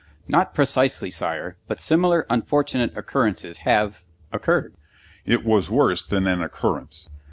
"Not precisely, Sire; but similar unfortunate occurrences have occurred." "It was worse than an occurrence."